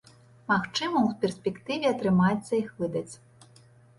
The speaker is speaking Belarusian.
Магчыма, у перспектыве атрымаецца іх выдаць.